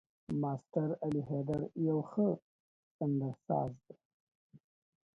ماسټر علي حيدر يو ښه سندرساز دی.